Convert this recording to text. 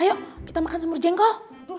ayo kita makan sumur jengkol